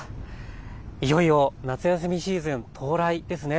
いよいよ夏休みシーズン到来ですね。